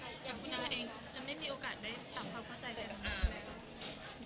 อย่างคุณอาเองจะไม่มีโอกาสได้ตามเขาเข้าใจในตอนนี้ไหม